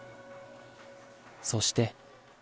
そして。